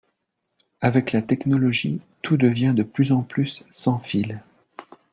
Avec la technologie tout devient de plus en plus sans fil